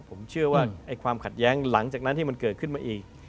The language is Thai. ผมเชื่อว่าความขัดแย้งหลังจากนั้นที่มันเกิดขึ้นมาอีก